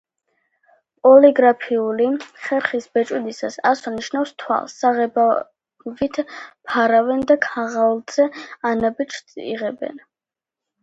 პოლიგრაფიული ხერხით ბეჭდვისას ასო-ნიშნის თვალს საღებავით ფარავენ და ქაღალდზე ანაბეჭდს იღებენ.